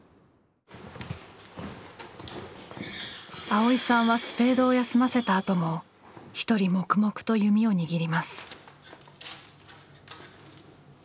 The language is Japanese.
蒼依さんはスペードを休ませたあとも一人黙々と弓を握ります。